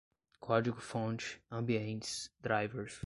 código-fonte, ambientes, drivers